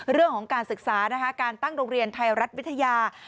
เรื่องของการศึกษานะคะการตั้งโรงเรียนไทยรัฐวิทยา